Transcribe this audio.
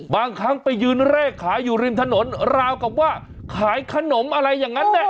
บางครั้งไปยืนเลขขายอยู่ริมถนนราวกับว่าขายขนมอะไรอย่างนั้นแน่